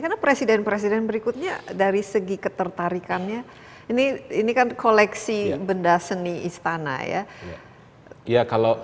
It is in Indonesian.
karena presiden presiden berikutnya dari segi ketertarikannya ini kan koleksi benda seni istana ya